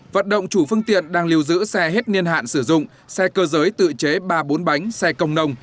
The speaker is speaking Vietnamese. vận động chủ phương tiện đang lưu giữ xe hết niên hạn sử dụng xe cơ giới tự chế ba bốn bánh xe công nông